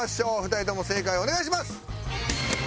２人とも正解お願いします。